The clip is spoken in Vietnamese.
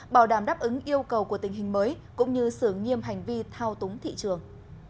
bảo đảm đáp ứng yêu cầu của tình hình mới cũng như xử nghiêm hành vi thao túng thị trường